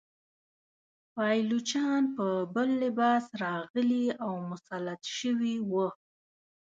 پایلوچان په بل لباس راغلي او مسلط شوي وه.